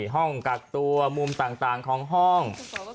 ห้องกักตัวมุมต่างของห้อง